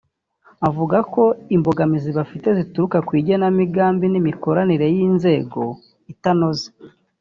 avuga ko imbogamizi bafite zituruka ku igenamigambi n’imikoranire y’inzego bitanoze